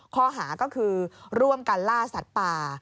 ข้อหาก็คือร่วมกันล่าสัตว์ป่า